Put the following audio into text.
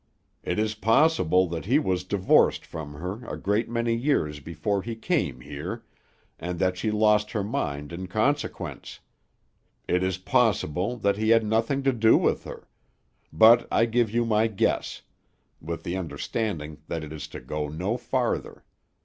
It is possible that he was divorced from her a great many years before he came here, and that she lost her mind in consequence; it is possible that he had nothing to do with her; but I give you my guess, with the understanding that it is to go no farther.